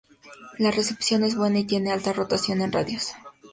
La recepción es buena y tiene alta rotación en radios.